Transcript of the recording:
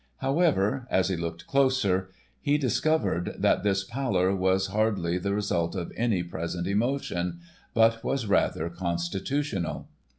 However, as he looked closer, he discovered that this pallor was hardly the result of any present emotion, but was rather constitutional.